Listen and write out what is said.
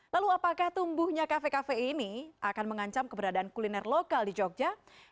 lalu apakah tumbuhnya kafe kafe ini akan mengancam keberadaan kuliner lokal di jogja